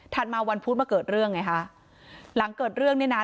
มาวันพุธมาเกิดเรื่องไงคะหลังเกิดเรื่องเนี่ยนะ